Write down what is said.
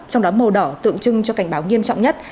trong đó màu đỏ tượng trưng cho cảnh báo nghiêm trọng nhất